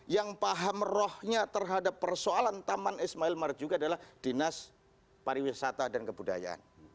yang paham rohnya terhadap persoalan taman ismail marjuki adalah dinas pariwisata dan kebudayaan